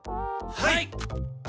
はい！